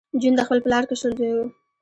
جون د خپل پلار کشر زوی و